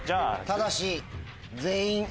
ただし。